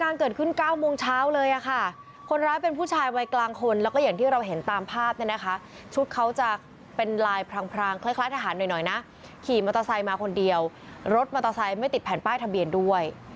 รถมอเตอร์ไซด์ไม่ติดแผ่นป้ายทะเบียนด้วย